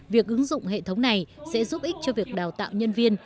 việc ứng dụng hệ thống này sẽ giúp ích cho việc đào tạo nhân viên